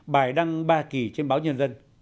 bài đăng ba kỳ trên báo nhân dân